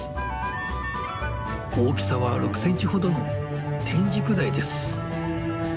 大きさは６センチほどのテンジクダイです。